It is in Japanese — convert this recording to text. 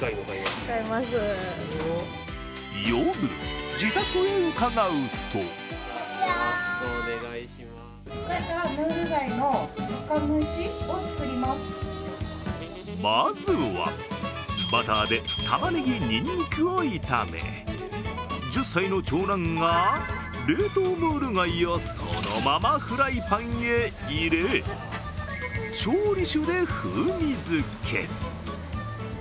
夜、自宅へ伺うとまずはバターでたまねぎ、にんにくを炒め１０歳の長男が冷凍ムール貝をそのままフライパンへ入れ調理酒で風味付け。